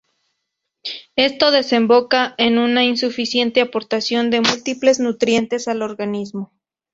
Esto desemboca en una insuficiente aportación de múltiples nutrientes al organismo.